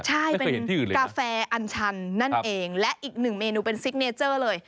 ใช่เป็นกาแฟอันชันนั่นเองและอีกหนึ่งเมนูเป็นซิกเนเจอร์เลย